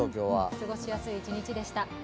過ごしやすい一日でした。